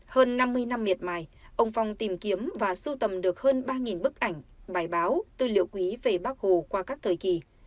hơn năm mươi năm miệt mài ông phong tìm kiếm và sưu tầm được hơn ba bức ảnh bài báo tư liệu quý về bác hồ qua các thời kỳ